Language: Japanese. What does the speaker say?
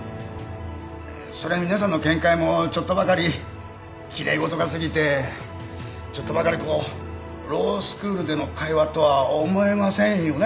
それに皆さんの見解もちょっとばかり奇麗事が過ぎてちょっとばかりこうロースクールでの会話とは思えませんよね？